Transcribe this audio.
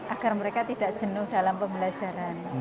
agar mereka tidak jenuh dalam pembelajaran